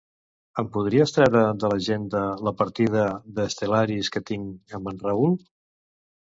Em podries treure de l'agenda la partida d'"Stellaris" que tinc amb en Raül?